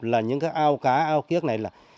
là những cái ao cá ao kiếc này